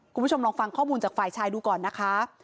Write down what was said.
คุณผู้ชมลองฟังข้อมูลจากฝ่ายชายดูก่อนนะคะ